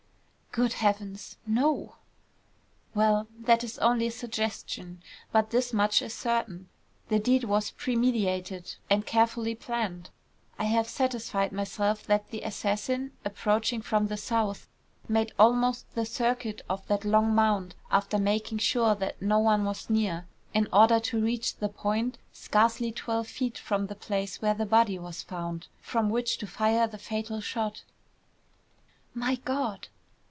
"Good heavens! No!" "Well, that is only a suggestion. But this much is certain, the deed was premeditated, and carefully planned. I have satisfied myself that the assassin, approaching from the south, made almost the circuit of that long mound, after making sure that no one was near, in order to reach the point, scarcely twelve feet from the place where the body was found, from which to fire the fatal shot." "My God!"